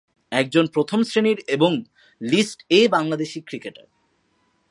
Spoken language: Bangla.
একজন প্রথম শ্রেণীর এবং লিস্ট এ বাংলাদেশী ক্রিকেটার।